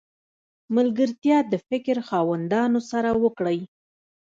ملګرتیا د فکر خاوندانو سره وکړئ!